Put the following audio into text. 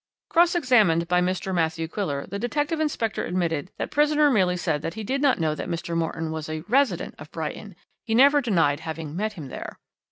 "Cross examined by Mr. Matthew Quiller, the detective inspector admitted that prisoner merely said that he did not know that Mr. Morton was a resident of Brighton he never denied having met him there.